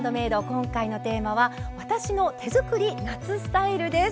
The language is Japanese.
今回のテーマは「私の手作り夏スタイル」です。